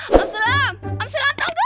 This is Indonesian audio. om sulam om sulam tunggu